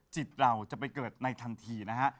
จิตเราจะไปเกิดในทันทีนะฮะ